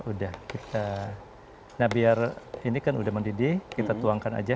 udah kita nah biar ini kan udah mendidih kita tuangkan aja